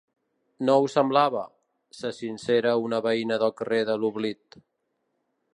No ho semblava —se sincera una veïna del carrer de l'Oblit.